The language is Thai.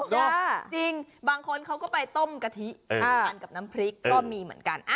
จริงบางคนเขาก็ไปต้มกะทิกับน้ำพริก